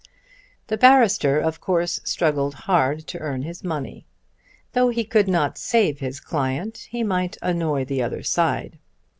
The barrister of course struggled hard to earn his money. Though he could not save his client he might annoy the other side.